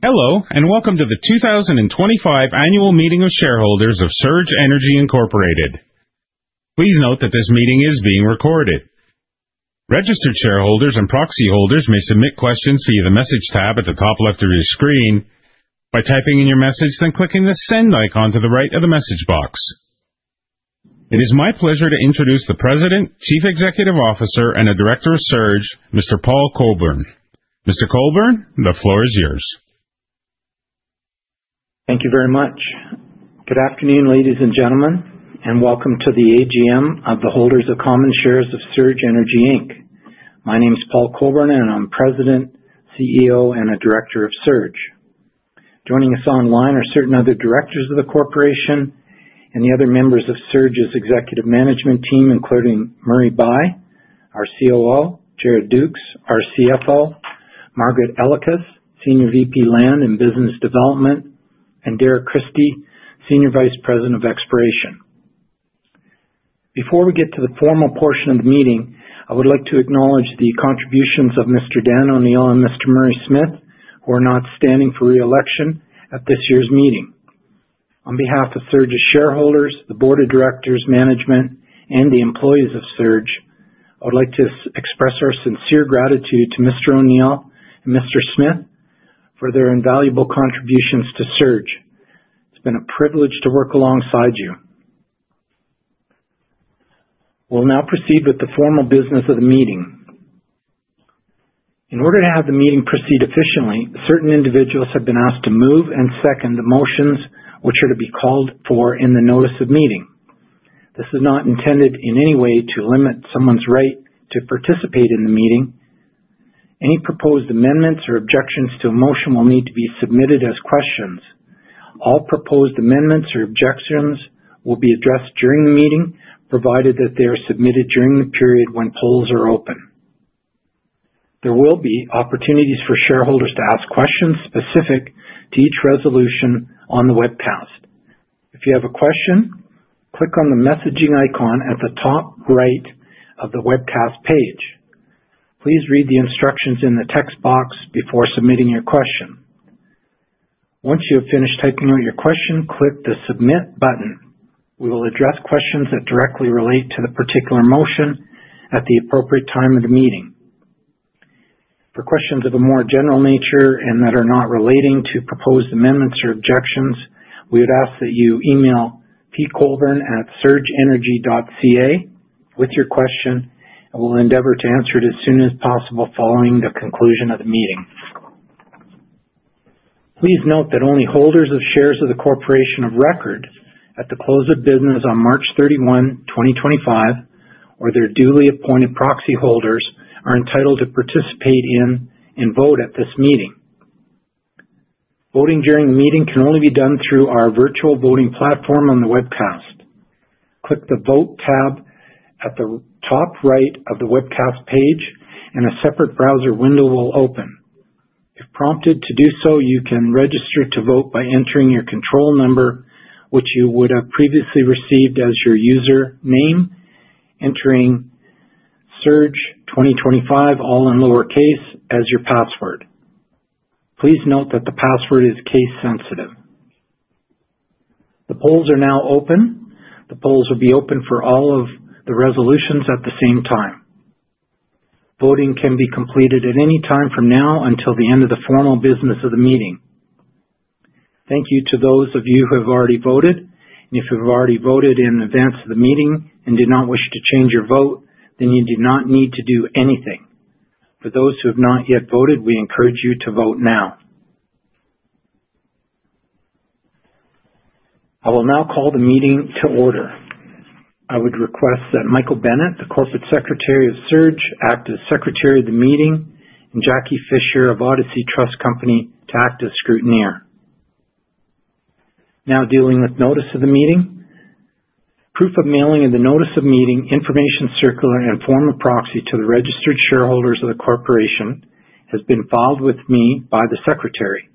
Hello, welcome to the 2025 Annual Meeting of Shareholders of Surge Energy Inc. Please note that this meeting is being recorded. Registered shareholders and proxy holders may submit questions via the Message tab at the top left of your screen by typing in your message, then clicking the Send icon to the right of the message box. It is my pleasure to introduce the President, Chief Executive Officer, and a Director of Surge, Mr. Paul Colborne. Mr. Colborne, the floor is yours. Thank you very much. Good afternoon, ladies and gentlemen, welcome to the AGM of the holders of common shares of Surge Energy Inc. My name is Paul Colborne, and I'm President, CEO, and a Director of Surge. Joining us online are certain other directors of the corporation and the other members of Surge's executive management team, including Murray Bye, our COO, Jared Ducs, our CFO, Margaret Elekes, Senior VP, Land and Business Development, and Derek Christie, Senior Vice President of Exploration. Before we get to the formal portion of the meeting, I would like to acknowledge the contributions of Mr. Dan O'Neil and Mr. Murray Smith, who are not standing for re-election at this year's meeting. On behalf of Surge's shareholders, the board of directors, management, and the employees of Surge, I would like to express our sincere gratitude to Mr. O'Neil and Mr. Smith for their invaluable contributions to Surge. It's been a privilege to work alongside you. We'll now proceed with the formal business of the meeting. In order to have the meeting proceed efficiently, certain individuals have been asked to move and second the motions which are to be called for in the notice of meeting. This is not intended in any way to limit someone's right to participate in the meeting. Any proposed amendments or objections to a motion will need to be submitted as questions. All proposed amendments or objections will be addressed during the meeting, provided that they are submitted during the period when polls are open. There will be opportunities for shareholders to ask questions specific to each resolution on the webcast. If you have a question, click on the messaging icon at the top right of the webcast page. Please read the instructions in the text box before submitting your question. Once you have finished typing out your question, click the Submit button. We will address questions that directly relate to the particular motion at the appropriate time of the meeting. For questions of a more general nature and that are not relating to proposed amendments or objections, we would ask that you email pcolborne@surgeenergy.ca with your question, we'll endeavor to answer it as soon as possible following the conclusion of the meeting. Please note that only holders of shares of the corporation of record at the close of business on March 31st, 2025, or their duly appointed proxy holders are entitled to participate in and vote at this meeting. Voting during the meeting can only be done through our virtual voting platform on the webcast. Click the Vote tab at the top right of the webcast page and a separate browser window will open. If prompted to do so, you can register to vote by entering your control number, which you would have previously received as your username, entering "surge2025" all in lowercase as your password. Please note that the password is case sensitive. The polls are now open. The polls will be open for all of the resolutions at the same time. Voting can be completed at any time from now until the end of the formal business of the meeting. Thank you to those of you who have already voted. If you have already voted in advance of the meeting and do not wish to change your vote, then you do not need to do anything. For those who have not yet voted, we encourage you to vote now. I will now call the meeting to order. I would request that Michael Bennett, the Corporate Secretary of Surge, act as Secretary of the meeting, and Jackie Fisher of Odyssey Trust Company to act as scrutineer. Now dealing with notice of the meeting. Proof of mailing of the notice of meeting, information circular, and form of proxy to the registered shareholders of the corporation has been filed with me by the secretary.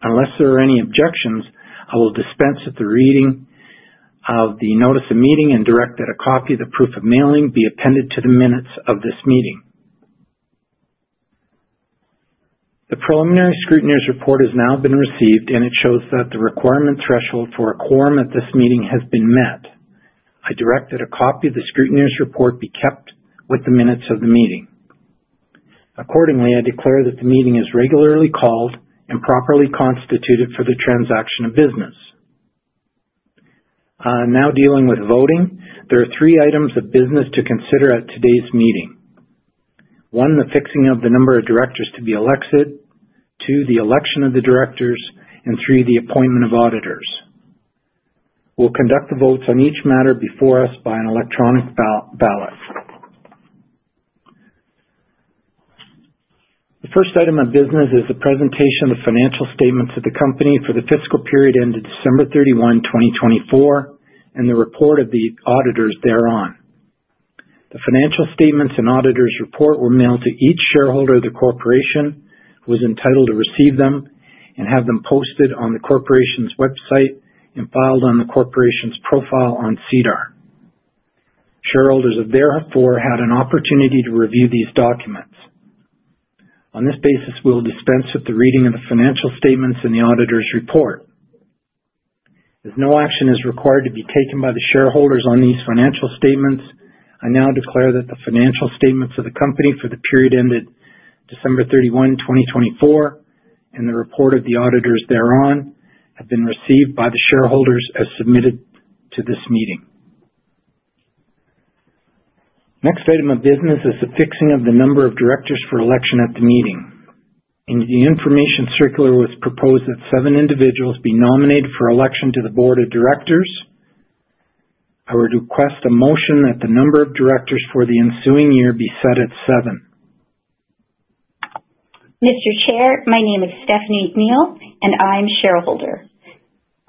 Unless there are any objections, I will dispense with the reading of the notice of meeting and direct that a copy of the proof of mailing be appended to the minutes of this meeting. The preliminary scrutineer's report has now been received. It shows that the requirement threshold for a quorum at this meeting has been met. I direct that a copy of the scrutineer's report be kept with the minutes of the meeting. Accordingly, I declare that the meeting is regularly called and properly constituted for the transaction of business. Now dealing with voting. There are three items of business to consider at today's meeting. One, the fixing of the number of directors to be elected. Two, the election of the directors. Three, the appointment of auditors. We'll conduct the votes on each matter before us by an electronic ballot. The first item of business is the presentation of financial statements of the company for the fiscal period ended December 31st, 2024, and the report of the auditors thereon. The financial statements and auditors report were mailed to each shareholder of the corporation who is entitled to receive them and have them posted on the corporation's website and filed on the corporation's profile on SEDAR. Shareholders have therefore had an opportunity to review these documents. On this basis, we'll dispense with the reading of the financial statements and the auditor's report. As no action is required to be taken by the shareholders on these financial statements, I now declare that the financial statements of the company for the period ended December 31st, 2024, and the report of the auditors thereon, have been received by the shareholders as submitted to this meeting. Next item of business is the fixing of the number of directors for election at the meeting. In the information circular, it was proposed that seven individuals be nominated for election to the board of directors. I would request a motion that the number of directors for the ensuing year be set at seven. Mr. Chair, my name is Stephanie McNeill, and I'm a shareholder.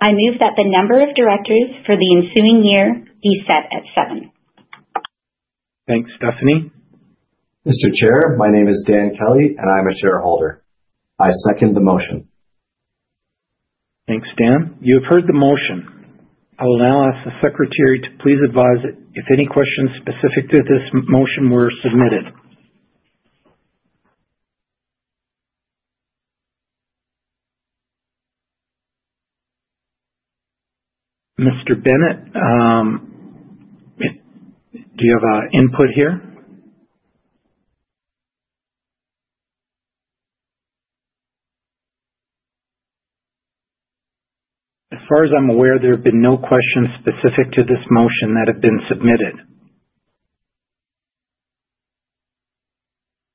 I move that the number of directors for the ensuing year be set at seven. Thanks, Stephanie. Mr. Chair, my name is Dan Kelly, and I'm a shareholder. I second the motion. Thanks, Dan. You have heard the motion. I will now ask the secretary to please advise if any questions specific to this motion were submitted. Mr. Bennett, do you have input here? As far as I'm aware, there have been no questions specific to this motion that have been submitted.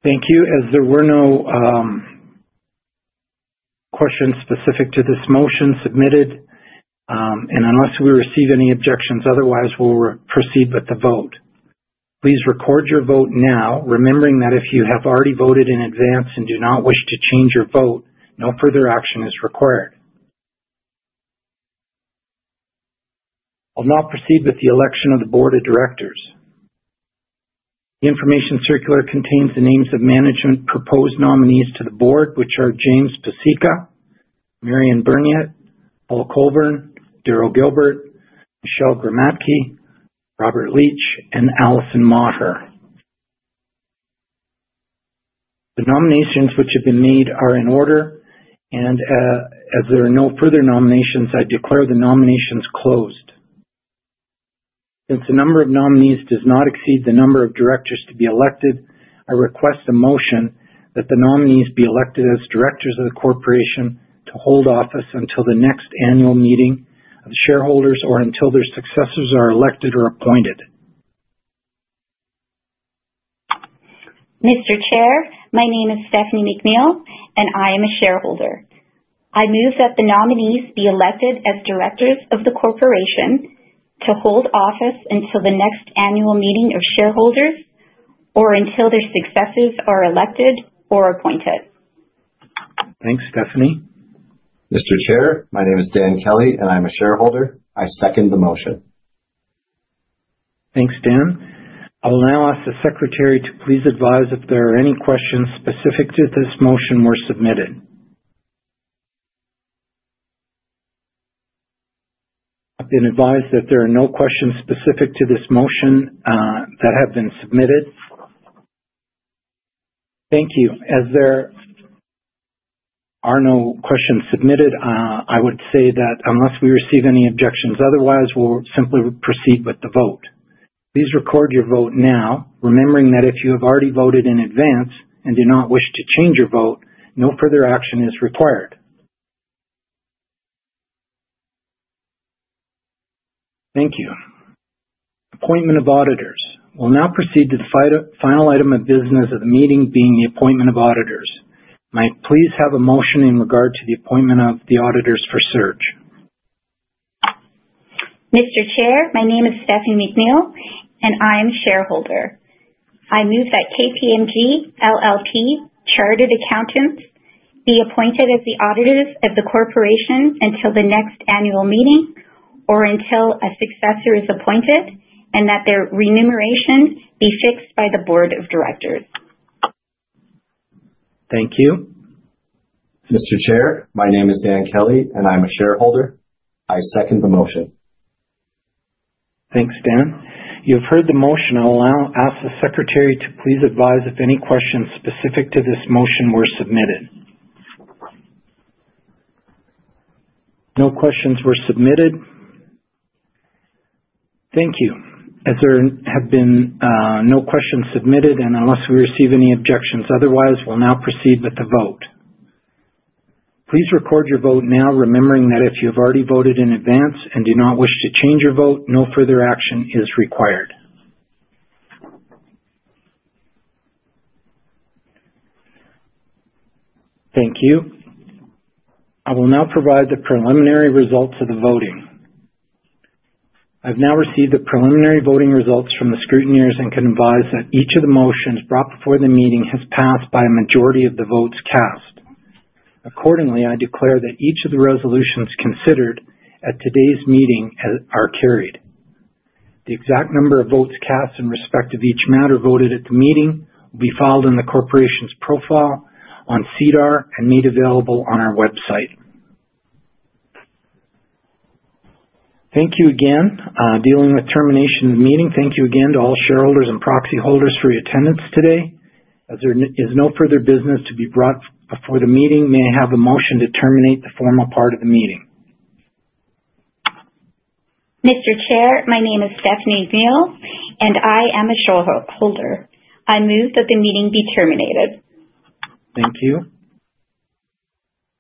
Thank you. As there were no questions specific to this motion submitted, unless we receive any objections otherwise, we'll proceed with the vote. Please record your vote now, remembering that if you have already voted in advance and do not wish to change your vote, no further action is required. I'll now proceed with the election of the board of directors. The information circular contains the names of management-proposed nominees to the board, which are James Pasieka, Marion Burnyeat, Paul Colborne, Daryl Gilbert, Michelle Gramatke, Robert Leach, and Allison Maher. The nominations which have been made are in order. As there are no further nominations, I declare the nominations closed. Since the number of nominees does not exceed the number of directors to be elected, I request a motion that the nominees be elected as directors of the corporation to hold office until the next annual meeting of shareholders or until their successors are elected or appointed. Mr. Chair, my name is Stephanie McNeill, I am a shareholder. I move that the nominees be elected as directors of the corporation to hold office until the next annual meeting of shareholders, or until their successors are elected or appointed. Thanks, Stephanie. Mr. Chair, my name is Dan Kelly. I'm a shareholder. I second the motion. Thanks, Dan. I'll now ask the secretary to please advise if there are any questions specific to this motion were submitted. I've been advised that there are no questions specific to this motion that have been submitted. Thank you. There are no questions submitted, I would say that unless we receive any objections otherwise, we'll simply proceed with the vote. Please record your vote now, remembering that if you have already voted in advance and do not wish to change your vote, no further action is required. Thank you. Appointment of auditors. We'll now proceed to the final item of business of the meeting, being the appointment of auditors. May I please have a motion in regard to the appointment of the auditors for Surge? Mr. Chair, my name is Stephanie McNeill. I'm a shareholder. I move that KPMG LLP Chartered Accountants be appointed as the auditors of the corporation until the next annual meeting or until a successor is appointed, and that their remuneration be fixed by the board of directors. Thank you. Mr. Chair, my name is Dan Kelly, I'm a shareholder. I second the motion. Thanks, Dan. You have heard the motion. I'll now ask the secretary to please advise if any questions specific to this motion were submitted. No questions were submitted. Thank you. As there have been no questions submitted, unless we receive any objections otherwise, we'll now proceed with the vote. Please record your vote now, remembering that if you have already voted in advance and do not wish to change your vote, no further action is required. Thank you. I will now provide the preliminary results of the voting. I've now received the preliminary voting results from the scrutineers and can advise that each of the motions brought before the meeting has passed by a majority of the votes cast. Accordingly, I declare that each of the resolutions considered at today's meeting are carried. The exact number of votes cast in respect of each matter voted at the meeting will be filed in the corporation's profile on SEDAR and made available on our website. Thank you again. Dealing with termination of the meeting, thank you again to all shareholders and proxy holders for your attendance today. As there is no further business to be brought before the meeting, may I have a motion to terminate the formal part of the meeting? Mr. Chair, my name is Stephanie McNeill, I am a shareholder. I move that the meeting be terminated. Thank you.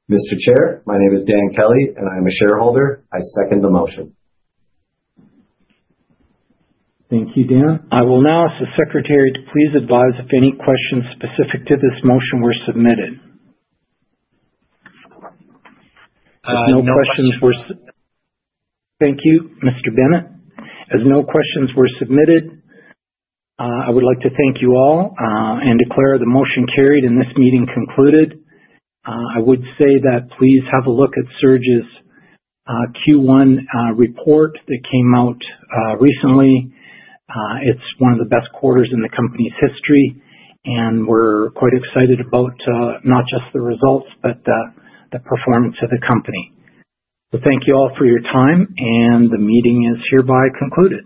Mr. Chair, my name is Dan Kelly, and I am a shareholder. I second the motion. Thank you, Dan. I will now ask the secretary to please advise if any questions specific to this motion were submitted. No questions- Thank you, Mr. Bennett. No questions were submitted, I would like to thank you all and declare the motion carried and this meeting concluded. I would say that please have a look at Surge's Q1 report that came out recently. It's one of the best quarters in the company's history, and we're quite excited about not just the results, but the performance of the company. Thank you all for your time, and the meeting is hereby concluded.